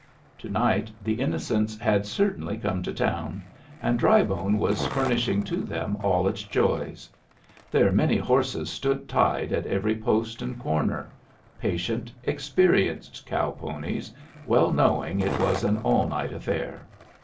To night the innocents had certainly come to town, and Drybone was furnishing to them all its joys. Their many horses stood tied at every post and corner patient, experienced cow ponies, well knowing it was an all night affair.